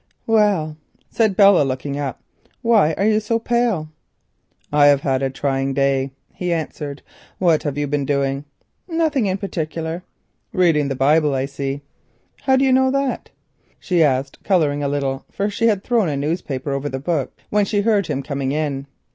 "Well," said Belle, looking up. "Why are you looking so pale?" "I have had a trying day," he answered. "What have you been doing?" "Nothing in particular." "Reading the Bible, I see." "How do you know that?" she asked, colouring a little, for she had thrown a newspaper over the book when she heard him coming in.